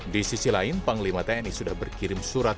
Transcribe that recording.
di sisi lain panglima tni sudah berkirim surat